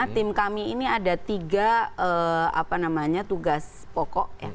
tim kami ini ada tiga tugas pokok